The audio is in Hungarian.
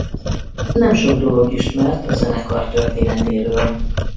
Nem sok dolog ismert a zenekar történetéről.